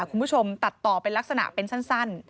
คุณผู้ชมตัดต่อเป็นลักษณะเป็นสั้น